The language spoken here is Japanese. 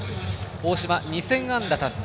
大島、２０００本安打達成。